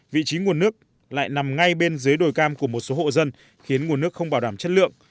vị trí nguồn nước lại nằm ngay bên dưới đồi cam của một số hộ dân khiến nguồn nước không bảo đảm chất lượng